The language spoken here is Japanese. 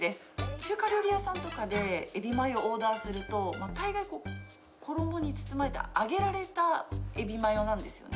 中華料理屋さんとかでエビマヨ、オーダーすると、大概、衣に包まれて、揚げられたエビマヨなんですよね。